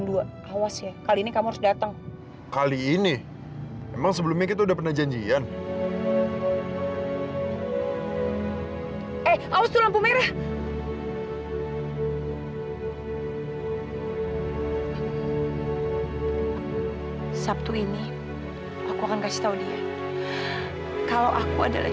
lagian kalau nggak kerja mau makan apa